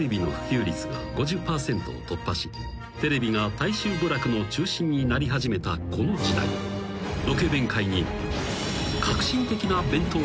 ［テレビが大衆娯楽の中心になり始めたこの時代ロケ弁界に］